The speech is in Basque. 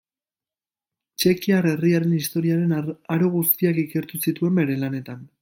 Txekiar herriaren historiaren aro guztiak ikertu zituen bere lanetan.